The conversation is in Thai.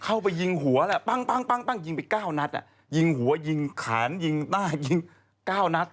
เข้าไปยิงหัวแหละปั้งปั้งปั้งยิงไปก้าวนัดอ่ะยิงหัวยิงขานยิงหน้ายิงก้าวนัด